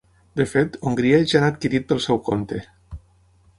De fet, Hongria ja n’ha adquirit pel seu compte.